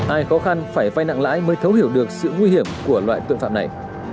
ai khó khăn phải vay nặng lãi mới thấu hiểu được sự nguy hiểm của loại tội phạm này